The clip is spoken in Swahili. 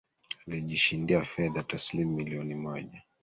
Alijishindia fedha taslimu milioni moja